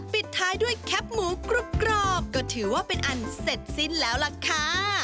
ปิดท้ายด้วยแคปหมูกรุบกรอบก็ถือว่าเป็นอันเสร็จสิ้นแล้วล่ะค่ะ